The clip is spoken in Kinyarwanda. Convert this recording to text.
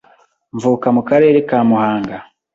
mvuka mu karere ka Muhanga